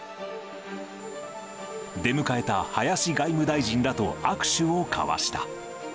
出迎えた林外務大臣らと握手を交わした。